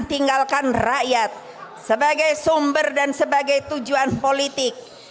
tinggalkan rakyat sebagai sumber dan sebagai tujuan politik